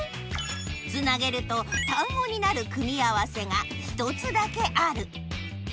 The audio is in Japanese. つなげると単語になる組み合わせが１つだけある。